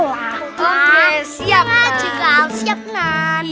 wow kertas siang tersali bernas